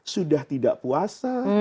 sudah tidak puasa